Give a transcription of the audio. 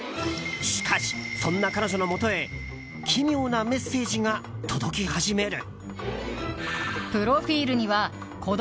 しかし、そんな彼女のもとへ奇妙なメッセージが届き始める。